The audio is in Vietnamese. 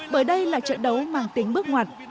bởi đây là trận đấu mang tính bước ngoặt